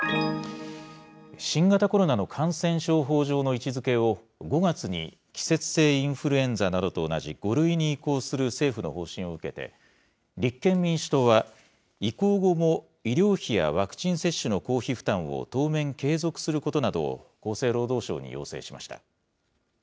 新型コロナの感染症法上の位置づけを、５月に季節性インフルエンザなどと同じ５類に移行する政府の方針を受けて、立憲民主党は、移行後も医療費やワクチン接種の公費負担を当面継続することなどを、厚生労働省に要請しました。